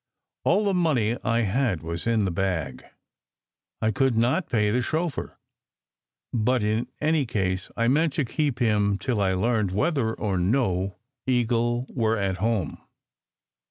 All the money I had was in the bag. I could not pay the chauffeur; but, in any case, I meant to keep him till I learned whether or no Eagle were at home.